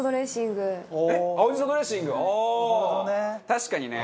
確かにね